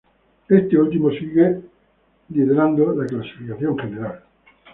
Este último sigue liderando la clasificación general.